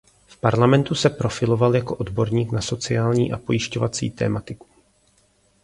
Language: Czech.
V parlamentu se profiloval jako odborník na sociální a pojišťovací tematiku.